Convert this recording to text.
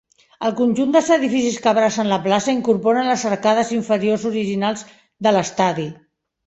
El conjunt dels edificis que abracen la plaça incorporen les arcades inferiors originals de l'Estadi.